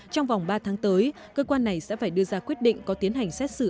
trong vòng ba tháng tới cơ quan này sẽ phải đưa ra quyết định có tiến hành xét xử